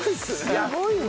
すごいね。